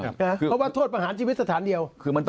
เพราะว่าโทษประหารชีวิตสถานเดียว